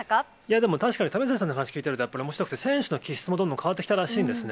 でも確かに為末さんの話聞いてると、やっぱりおもしろくて、選手の気質もどんどん変わってきたらしいんですね。